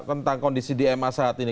tentang kondisi di ma saat ini